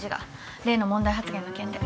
例の問題発言の件で。